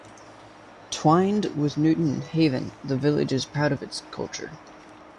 Twinned with Newton Haven the village is proud of its culture.